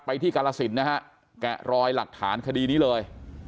ไปที่กรรศิลป์นะฮะแกะรอยหลักฐานคดีนี้เลย